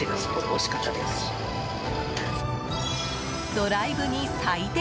ドライブに最適。